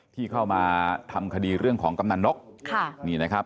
ที่เข้ามาทำคดีเรื่องของกำนันนกค่ะนี่นะครับ